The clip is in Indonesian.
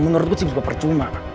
menurut gue sih gue percuma